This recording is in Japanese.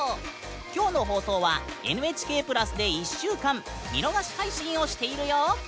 今日の放送は「ＮＨＫプラス」で１週間見逃し配信をしているよ！